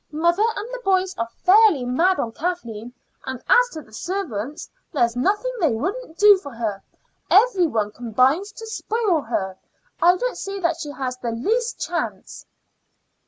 Mother and the boys are fairly mad on Kathleen; and as to the servants, there's nothing they wouldn't do for her. Every one combines to spoil her; I don't see that she has the least chance."